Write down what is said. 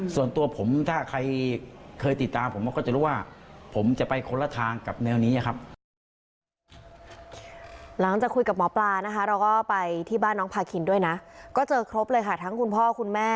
ส่วนตัวผมถ้าใครเคยติดตามผม